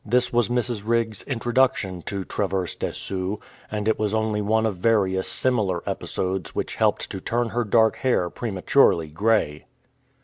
This was Mrs. Riggs' introduction to Traverse des Sioux, and it was only one of various similar episodes which helped to turn her dark hair prematurely grey.